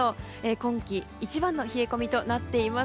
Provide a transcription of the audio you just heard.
今季一番の冷え込みとなっております。